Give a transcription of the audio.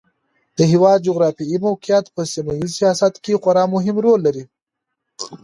د هېواد جغرافیایي موقعیت په سیمه ییز سیاست کې خورا مهم رول لري.